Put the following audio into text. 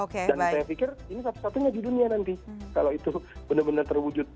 dan saya pikir ini satu satunya di dunia nanti kalau itu benar benar terwujud